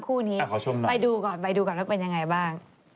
ก็ว่าไปดูก่อนแล้วเป็นยังไงบ้าง